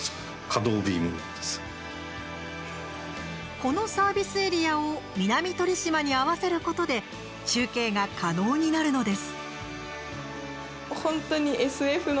このサービスエリアを南鳥島に合わせることで中継が可能になるのです。